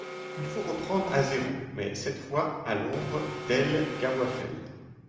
Il faut reprendre à zéro, mais cette fois à l’ombre d’El Gawafel.